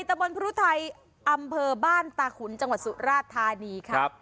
ตะบนพรุไทยอำเภอบ้านตาขุนจังหวัดสุราชธานีครับ